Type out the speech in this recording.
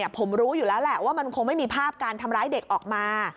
ผมรู้อยู่แล้วแหละว่ามันคงไม่มีภาพการทำร้ายเด็กออกมา